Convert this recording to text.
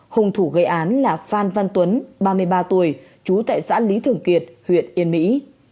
hùng thủ gây án là phan văn tuấn ba mươi ba tuổi trú tại xã lý thường kiệt huyện yên mỹ